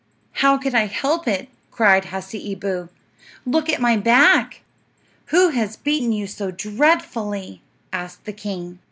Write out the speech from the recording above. "How could I help it?" cried Hasseeboo. "Look at my back!" "Who has beaten you so dreadfully?" asked the king.